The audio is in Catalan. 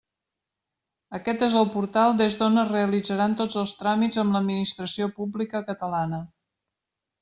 Aquest és el portal des d'on es realitzaran tots els tràmits amb l'administració pública catalana.